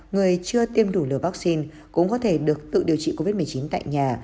người chưa tiêm đủ liều vaccine cũng có thể được tự điều trị covid một mươi chín tại nhà